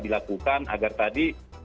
dilakukan agar tadi